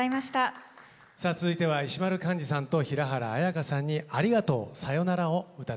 さあ続いては石丸幹二さんと平原綾香さんに「ありがとうさようなら」を歌って頂きます。